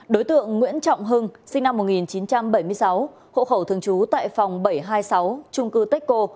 đối tượng nguyễn trọng hưng sinh năm một nghìn chín trăm bảy mươi sáu hộ khẩu thường trú tại phòng bảy trăm hai mươi sáu trung cư techco